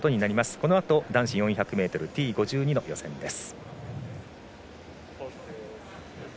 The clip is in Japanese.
このあと男子４００ｍＴ５２の予選です。